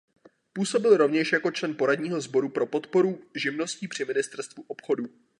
Působil rovněž jako člen poradního sboru pro podporu živností při ministerstvu obchodu.